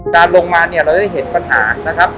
ลงมาเนี่ยเราจะได้เห็นปัญหานะครับ